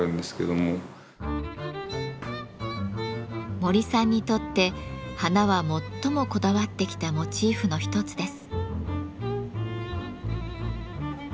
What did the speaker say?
森さんにとって花は最もこだわってきたモチーフの一つです。